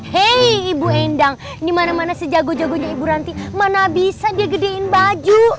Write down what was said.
hei ibu endang dimana mana sejago jagonya ibu ranti mana bisa dia gedein baju